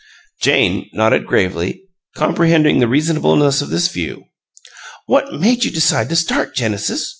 Jane nodded gravely, comprehending the reasonableness of this view. "What made you decide to start, Genesis?"